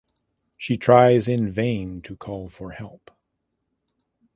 She tries in vain to call for help.